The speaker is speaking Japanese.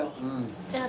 じゃあ私